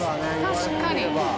確かに。